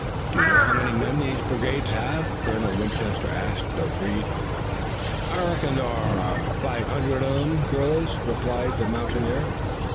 "Do you know how many men these brigands have?" Colonel Winchester asked of Reed. "I reckon thar are five hundred uv them gorillers," replied the mountaineer.